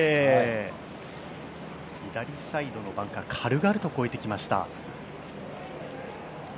左サイドのバンカー、軽々と越えてきました。